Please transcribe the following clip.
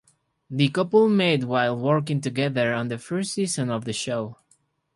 The couple met while working together on the first season of the show.